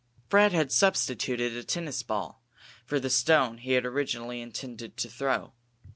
Fred had substituted a tennis ball for the stone he had originally intended to throw.